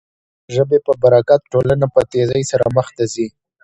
د ژبې په برکت ټولنه په تېزۍ سره مخ ته ځي.